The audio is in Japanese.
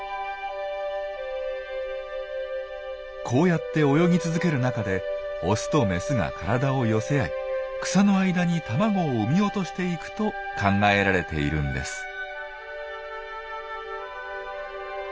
こうやって泳ぎ続ける中でオスとメスが体を寄せ合い草の間に卵を産み落としていくと考えられているんです。